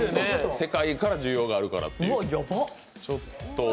世界から需要があるからっていう。